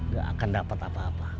gak akan dapat apa apa